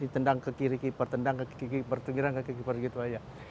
tendang ke kiri keeper tendang ke kiri keeper tenggiran ke kiri keeper gitu aja